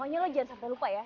pokoknya jangan sampai lupa ya